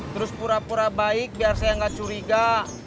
terus pura pura baik biar saya nggak curiga